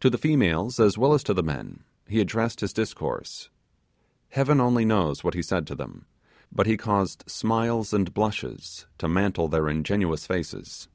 To the females as well as to the men, he addressed his discourse. Heaven only knows what he said to them, but he caused smiles and blushes to mantle their ingenuous faces.